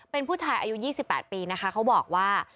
เป็นผู้ชายอายุ๒๘ปีนะคะเขาบอกว่า